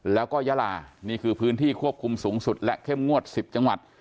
แล้วก็ยาลานี่คือพื้นที่ควบคุมสูงสุดและเข้มงวด๑๐จังหวัด